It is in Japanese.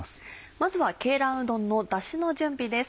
まずは鶏卵うどんのダシの準備です。